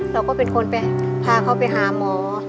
เราก็เป็นคนไปพาเขาไปหาหมอ